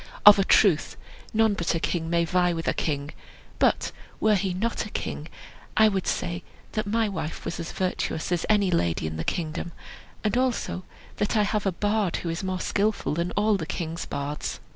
"Of a truth, none but a king may vie with a king; but were he not a king, I would say that my wife was as virtuous as any lady in the kingdom, and also that I have a bard who is more skilful than all the king's bards."